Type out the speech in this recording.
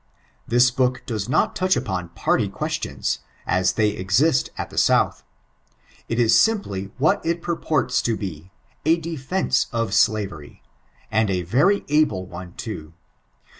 This book does not touch upon parly <pKBstions as they exist at the south. It ia simply what it purporta to be, a dfJtMCt of iiavery, and a very able one too.